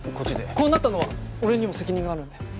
こうなったのは俺にも責任があるんで。